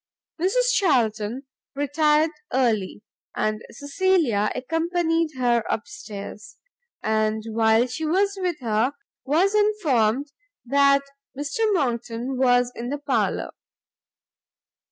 Mrs Charlton retired early, and Cecilia accompanied her up stairs: and while she was with her, was informed that Mr Monckton was in the parlour.